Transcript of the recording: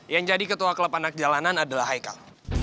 yang jadi ketua klub anak jalanan adalah haikal